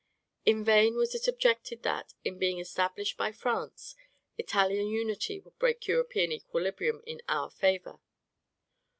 In vain was it objected that, in being established by France, Italian unity would break European equilibrium in our favor.